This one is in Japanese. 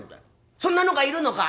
「そんなのがいるのか？」。